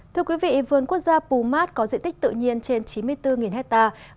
thưa quý vị vườn quốc gia pumat có diện tích tự nhiên trên chín mươi bốn hectare